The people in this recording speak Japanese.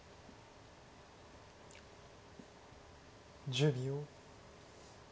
１０秒。